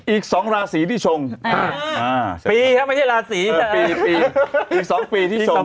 อีก๒ราศีที่ชงปีครับไม่ใช่ราศีอีก๒ปีที่ชง